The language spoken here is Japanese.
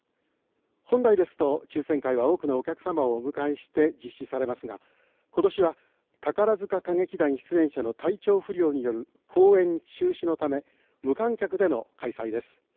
本来ですと抽せん会は多くのお客様をお迎えして実施されますが今年は宝塚歌劇団出演者の体調不良のため公演中止のため、無観客での開催です。